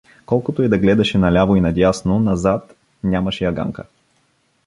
Колкото и да гледаше наляво и надясно, назад — нямаше я Ганка.